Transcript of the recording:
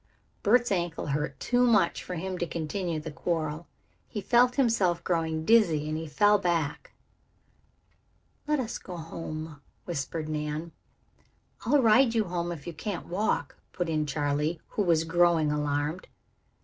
Bert's ankle hurt too much for him to continue the quarrel. He felt himself growing dizzy and he fell back. "Let us go home," whispered Nan. "I'll ride you home if you can't walk," put in Charley, who was growing alarmed.